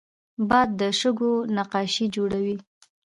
باد د شګو نقاشي جوړوي